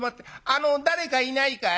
あの誰かいないかい？